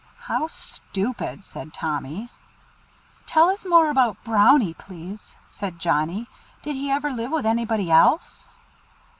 "How stupid!" said Tommy. "Tell us more about Brownie, please," said Johnnie, "Did he ever live with anybody else?"